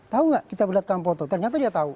tahu nggak kita perlihatkan foto ternyata dia tahu